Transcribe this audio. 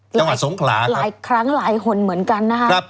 จังหวัดสงขลาหลายครั้งหลายคนเหมือนกันนะครับ